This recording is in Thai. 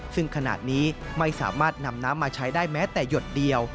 ซึ่งขณะนี้ไม่สามารถนำน้ำมาใช้ได้แม้แต่หยดเดียว